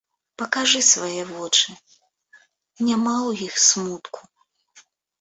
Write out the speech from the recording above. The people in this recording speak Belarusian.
Пакажы свае вочы, няма ў іх смутку?